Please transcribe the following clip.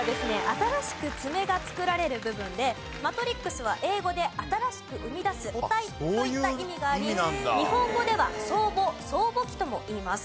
新しく爪が作られる部分でマトリックスは英語で新しく生み出す母体といった意味があり日本語では爪母・爪母基ともいいます。